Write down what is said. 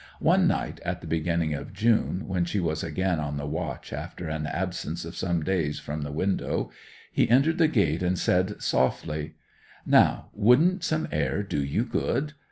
One night, at the beginning of June, when she was again on the watch after an absence of some days from the window, he entered the gate and said softly, 'Now, wouldn't some air do you good?